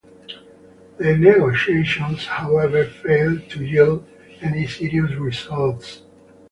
The negotiations, however, failed to yield any serious results.